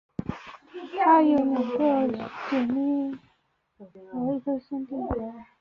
她有两个姐妹和一个兄弟。